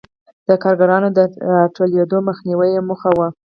د کارګرانو د راټولېدو مخنیوی یې موخه و.